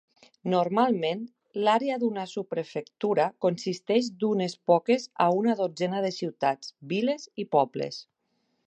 Normalment, l'àrea d'una subprefectura consisteix d'unes poques a una dotzena de ciutats, viles i pobles.